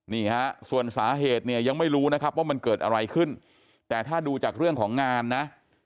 นี่ฮะส่วนสาเหตุเนี่ยยังไม่รู้นะครับว่ามันเกิดอะไรขึ้นแต่ถ้าดูจากเรื่องของงานนะ